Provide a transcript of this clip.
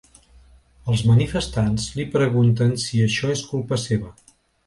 Els manifestants li pregunten si això és culpa seva.